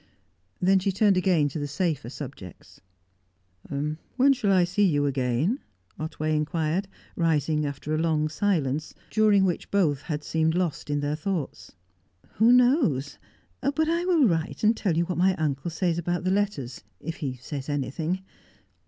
Then she turned again to the safer subjects. "When shall I see you again?" Otway inquired, rising after a long silence, during which both had seemed lost in their thoughts. "Who knows? But I will write and tell you what my uncle says about the letters, if he says anything.